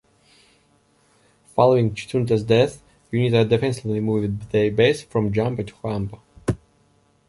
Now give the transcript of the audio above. Following Chitunda's death, Unita defensively moved their base from Jamba to Huambo.